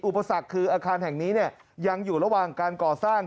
อุปสรรคคืออาคารแห่งนี้ยังอยู่ระหว่างการก่อสร้าง